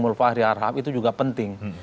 mulfahri arham itu juga penting